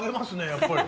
やっぱり。